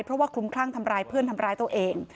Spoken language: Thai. เพราะว่าคลุมคลั่งทำร้ายเพื่อนทำร้ายตัวเอง